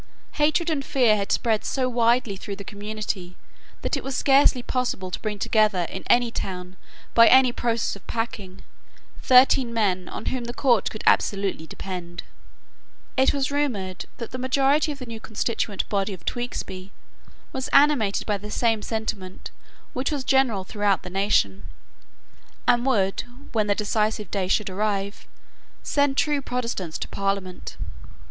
Hatred and fear had spread so widely through the community that it was scarcely possible to bring together in any town, by any process of packing, thirteen men on whom the court could absolutely depend. It was rumoured that the majority of the new constituent body of Tewkesbury was animated by the same sentiment which was general throughout the nation, and would, when the decisive day should arrive, send true Protestants to Parliament.